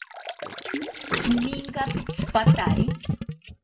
Ninka pitzipatari?